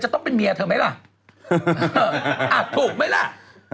ต้องเป็นเมียเธอไหมล่ะถูกไหมล่ะ